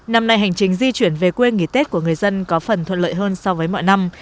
năm nay hành trình di chuyển về quê nghỉ tết của người dân có phần thuận lợi hơn so với mọi năm